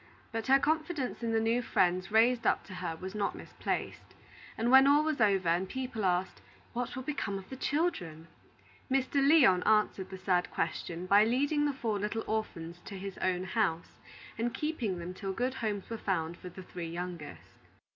But her confidence in the new friends raised up to her was not misplaced; and when all was over, and people asked, "What will become of the children?" Mr. Lyon answered the sad question by leading the four little orphans to his own house, and keeping them till good homes were found for the three youngest.